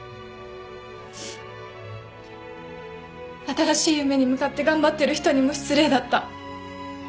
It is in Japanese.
新しい夢に向かって頑張ってる人にも失礼だった。